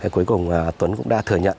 cuối cùng tuấn cũng đã thừa nhận